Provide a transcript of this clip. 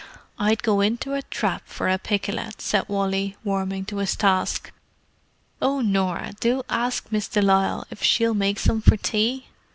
"I'd go into a trap for a pikelet," said Wally, warming to his task. "Oh, Norah, do ask Miss de Lisle if she'll make some for tea!"